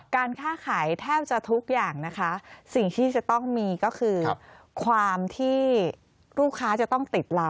การค้าขายแทบจะทุกอย่างนะคะสิ่งที่จะต้องมีก็คือความที่ลูกค้าจะต้องติดเรา